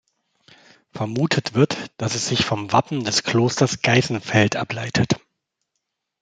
Vermutet wird, dass es sich vom Wappen des Klosters Geisenfeld ableitet.